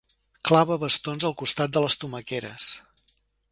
Clava bastons al costat de les tomaqueres.